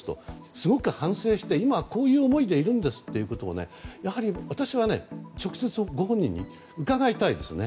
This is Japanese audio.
すごく反省して今はこういう思いでいるんですということをやはり、直接ご本人に伺いたいですね。